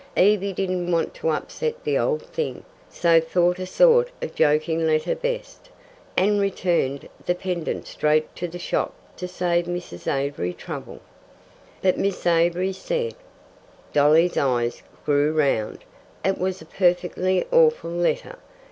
Evie didn't want to upset the old thing, so thought a sort of joking letter best, and returned the pendant straight to the shop to save Miss Avery trouble." "But Miss Avery said " Dolly's eyes grew round. "It was a perfectly awful letter.